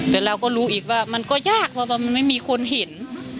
แต่เราก็รู้อีกว่ามันก็ยากเพราะว่ามันไม่มีคนเห็น